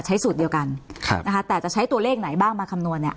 สูตรเดียวกันนะคะแต่จะใช้ตัวเลขไหนบ้างมาคำนวณเนี่ย